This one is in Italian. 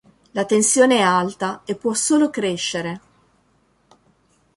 La tensione è alta e può solo crescere.